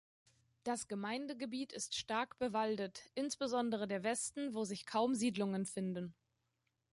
Das Gemeindegebiet ist stark bewaldet, insbesondere der Westen, wo sich kaum Siedlungen finden.